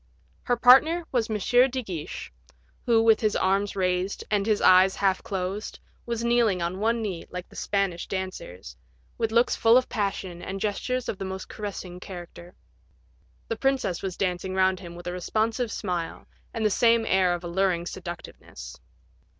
Her partner was M. de Guiche, who, with his arms raised, and his eyes half closed, was kneeling on one knee, like the Spanish dancers, with looks full of passion, and gestures of the most caressing character. The princess was dancing round him with a responsive smile, and the same air of alluring seductiveness.